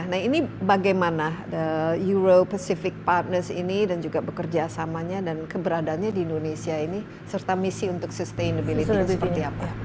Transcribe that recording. nah ini bagaimana euro pacific partners ini dan juga bekerja samanya dan keberadaannya di indonesia ini serta misi untuk sustainability itu seperti apa